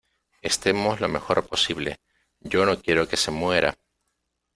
estemos lo mejor posible. yo no quiero que se muera